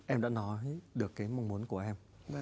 em đã nói được cái mong muốn của em